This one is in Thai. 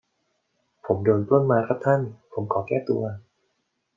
ผมโดนปล้นมาครับท่าน ผมขอแก้ตัว